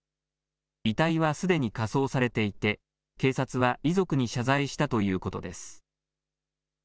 遺体はすでに火葬されていて警察は遺族に謝罪したということです。